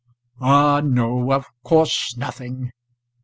"Ah, no. Of course nothing.